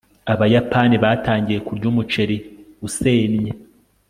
abayapani batangiye kurya umuceri usennye